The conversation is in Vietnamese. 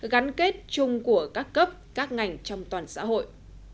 gắn kết chung của các cấp các ngành trong toàn xã hội